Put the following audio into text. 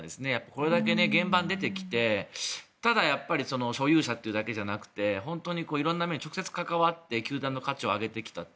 これだけ現場に出てきてただやっぱり所有者というだけじゃなくて色んな面に直接関わって球団の価値を上げてきた。